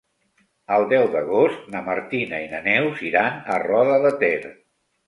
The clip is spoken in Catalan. El deu d'agost na Martina i na Neus iran a Roda de Ter.